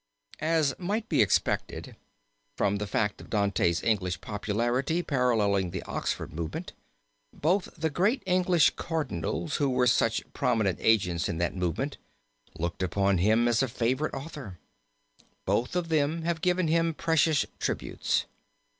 As might have been expected from the fact of Dante's English popularity paralleling the Oxford Movement, both the great English Cardinals who were such prominent agents in that movement, looked upon him as a favorite author. Both of them have given him precious tributes.